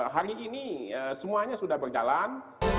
hari ini semuanya sudah berjalan